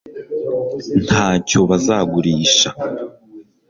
ntacyo bazagurisha